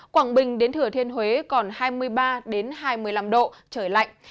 quảng bình đến thừa thiên huế còn hai mươi ba hai mươi năm độ trời lạnh